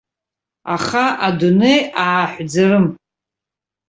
Аха адунеи ааҳәӡарым.